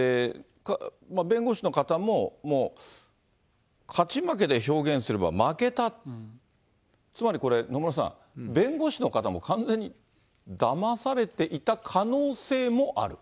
弁護士の方も、もう勝ち負けで表現すれば負けた、つまりこれ、野村さん、弁護士の方も完全にだまされていた可能性もある？